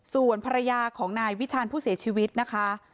ส่วนภรรยาของนายวิชาญผู้เสียชีวิตนะคะ